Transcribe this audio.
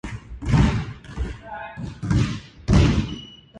天津橋筋六丁目駅